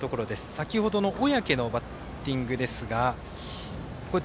先ほどの小宅のバッティングですが。